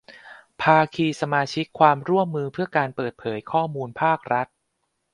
ภาคีสมาชิกความร่วมมือเพื่อการเปิดเผยข้อมูลภาครัฐ